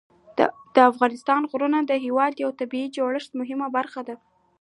د افغانستان غرونه د هېواد د طبیعي جوړښت مهمه برخه ده.